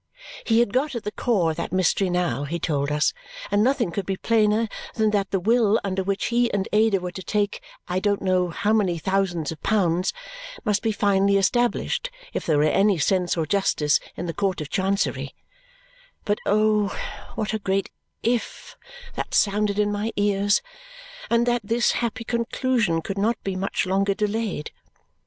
He had got at the core of that mystery now, he told us, and nothing could be plainer than that the will under which he and Ada were to take I don't know how many thousands of pounds must be finally established if there were any sense or justice in the Court of Chancery but oh, what a great IF that sounded in my ears and that this happy conclusion could not be much longer delayed.